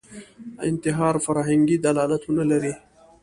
انتحار فرهنګي دلالتونه لري